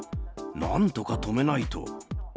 なんとか止めないと。